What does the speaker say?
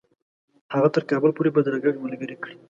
هغه تر کابل پوري بدرګه ملګرې کړي.